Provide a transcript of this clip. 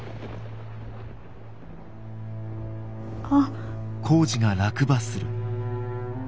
あっ！